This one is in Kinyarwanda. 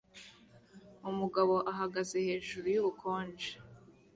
Umugabo ahagaze hejuru yubukonje